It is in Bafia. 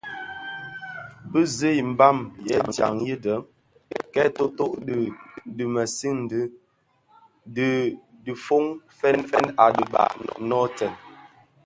Bi zi i mbam yè dyaň yidëň, kè totök dhibeň di mësiňdèn di fonnë fèn fèn a dhiba a nōōtèn.